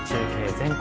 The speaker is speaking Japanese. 全国